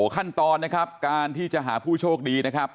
ขั้นตอนนะครับการที่จะหาผู้โชคดีนะครับ